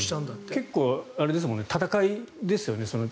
結構、戦いですよね。